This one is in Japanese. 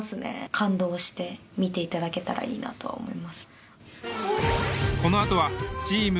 感動して見ていただけたらいいなと思います。